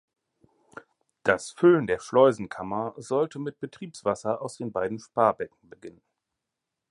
Das Füllen der Schleusenkammer sollte mit Betriebswasser aus den beiden Sparbecken beginnen.